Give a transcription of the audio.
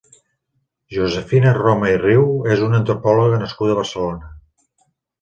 Josefina Roma i Riu és una antropòloga nascuda a Barcelona.